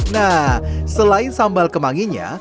nah selain sambal kemanginya